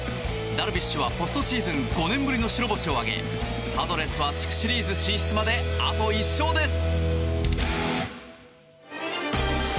ダルビッシュはポストシーズン５年ぶりの白星を挙げパドレスは地区シリーズ進出まであと１勝です。